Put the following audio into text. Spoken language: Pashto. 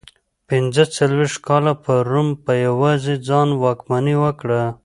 پنځه څلوېښت کاله پر روم په یوازې ځان واکمني وکړه.